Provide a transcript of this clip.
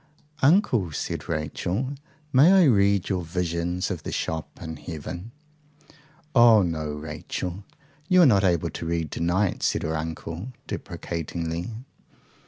"Uncle," said Rachel, "may I read your visions of the shops in heaven?" "Oh no, Rachel. You are not able to read to night," said her uncle deprecatingly.